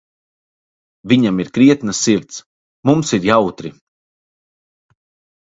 Viņam ir krietna sirds, mums ir jautri.